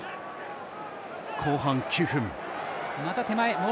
後半９分。